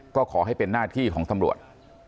ก็ขอให้เป็นหน้าที่ของตำรวจ